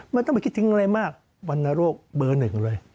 มันต้องไปคิดถึงอะไรมากวรรณโรคเบอร์หนึ่งเลย